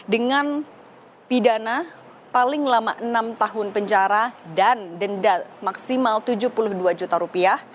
dengan pidana paling lama enam tahun penjara dan denda maksimal tujuh puluh dua juta rupiah